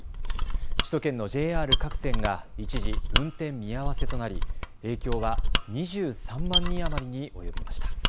首都圏のＪＲ各線が一時、運転見合わせとなり、影響は２３万人余りに及びました。